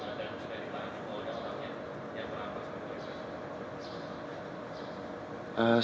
yang pernah apa sebetulnya